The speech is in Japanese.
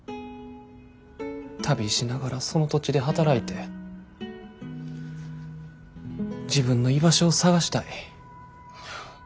旅しながらその土地で働いて自分の居場所を探したい。